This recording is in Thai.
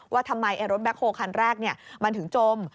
ว่าทำไมรถแคคโฮคันแรกมันถึงจม